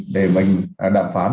để mình đàm phán